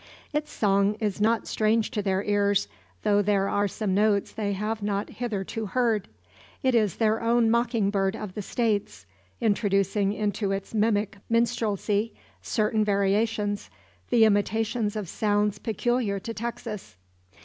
Its song is not strange to their ears, though there are some notes they have not hitherto heard. It is their own mocking bird of the States, introducing into its mimic minstrelsy certain variations, the imitations of sounds peculiar to Texas.